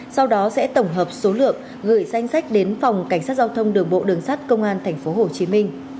sau đó sẽ tổng hợp số lượng gửi danh sách đến phòng cảnh sát giao thông đường bộ đường sát công an tp hcm